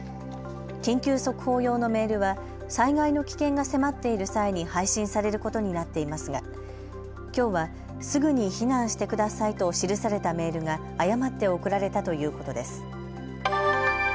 緊急速報用のメールは災害の危険が迫っている際に配信されることになっていますがきょうは、すぐに避難してくださいと記されたメールが誤って送られたということです。